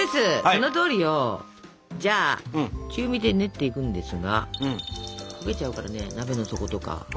そのとおりよ！じゃあ中火で練っていくんですが焦げちゃうからね鍋の底とか。